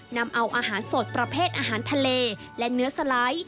นำเอาอาหารสดประเภทอาหารทะเลและเนื้อสไลด์